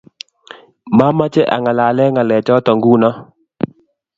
mamache angalale ngalechoto nguno